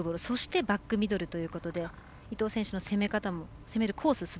そしてバックミドルということで伊藤選手の攻め方も攻めるコース